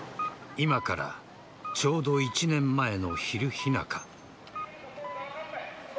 今からちょうど１年前の昼日中。